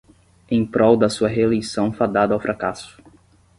Em prol da sua reeleição fadada ao fracasso